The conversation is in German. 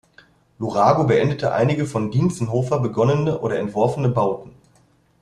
Lurago beendete einige von Dientzenhofer begonnene oder entworfene Bauten.